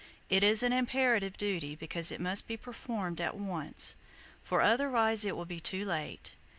It is an imperative duty, because it must be performed at once, for otherwise it will be too late.